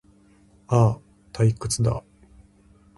ああ、退屈だ